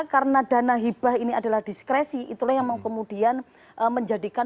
karena dana ibah ini adalah diskresi itulah yang kemudian menjadikan